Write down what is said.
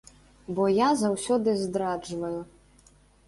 Бо я заўсёды здраджваю.